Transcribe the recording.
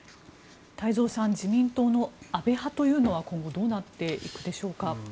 太蔵さん自民党の安倍派というのは今後どうなっていくでしょうか。